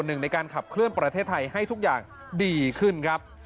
หนึ่งในการขับเคลื่อนประเทศไทยให้ทุกอย่างดีขึ้นครับ